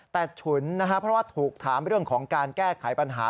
แต่ฉุนนะครับเพราะว่าถูกถามเรื่องของการแก้ไขปัญหา